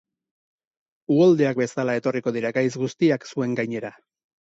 Uholdeak bezala etorriko dira gaitz guztiak zuen gainera